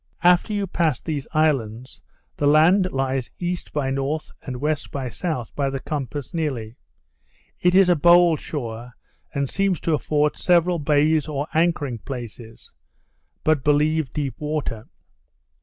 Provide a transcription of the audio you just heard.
After you pass these islands, the land lies E. by N., and W. by S., by the compass nearly. It is a bold shore, and seems to afford several bays or anchoring places, but believe deep water.